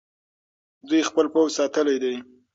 دوی خپل پوځ ساتلی دی.